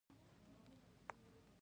آیا د واورې پاکول لګښت نلري؟